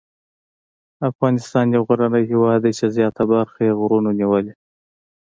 افغانستان یو غرنی هېواد دی چې زیاته برخه یې غرونو نیولې.